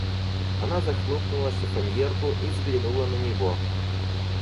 Она захлопнула шифоньерку и взглянула на него.